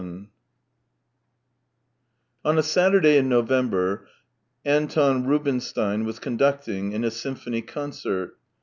VII On a Saturday in November Anton Rubinstein was conducting in a symphony concert.